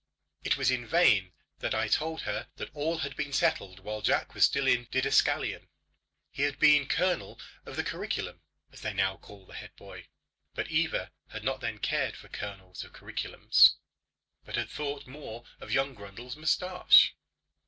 It was in vain that I told her that all that had been settled while Jack was still at the didascalion. He had been Colonel of the Curriculum, as they now call the head boy; but Eva had not then cared for Colonels of Curriculums, but had thought more of young Grundle's moustache.